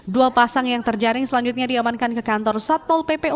dua pasang yang terjaring selanjutnya diamankan ke kantor satpol pp untuk kesehatan